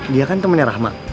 dia kan temennya rahma